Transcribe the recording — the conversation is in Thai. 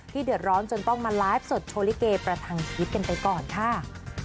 เดือดร้อนจนต้องมาไลฟ์สดโชว์ลิเกประทังชีวิตกันไปก่อนค่ะ